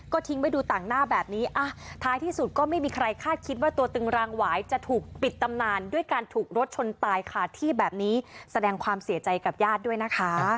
ทิ้งไว้ดูต่างหน้าแบบนี้ท้ายที่สุดก็ไม่มีใครคาดคิดว่าตัวตึงรางหวายจะถูกปิดตำนานด้วยการถูกรถชนตายขาดที่แบบนี้แสดงความเสียใจกับญาติด้วยนะคะ